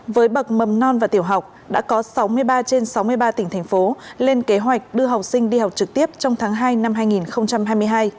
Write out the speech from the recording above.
với bậc mầm non và tiểu học đã có sáu mươi ba trên sáu mươi ba tỉnh thành phố lên kế hoạch đưa học sinh đi học trực tiếp trong tháng hai năm hai nghìn hai mươi hai